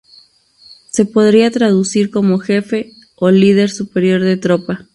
Se podría traducir como jefe, o líder, superior de tropa.